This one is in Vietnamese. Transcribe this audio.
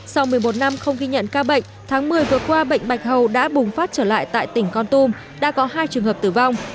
sau một mươi một năm không ghi nhận ca bệnh tháng một mươi vừa qua bệnh bạch hầu đã bùng phát trở lại tại tỉnh con tum đã có hai trường hợp tử vong